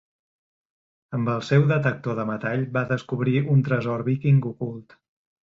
Amb el seu detector de metall va descobrir un tresor víking ocult.